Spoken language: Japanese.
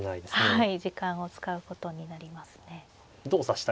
はい。